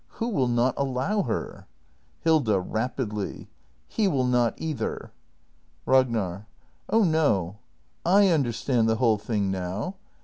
] Who will not allow her ? Hilda. [Rapidly.] H e will not either! Ragnar. Oh no — I understand the whole thing now.